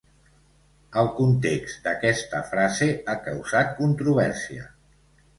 El context d'aquesta frase ha causat controvèrsia.